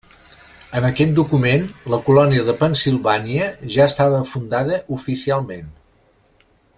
En aquest document, la colònia de Pennsilvània ja estava fundada oficialment.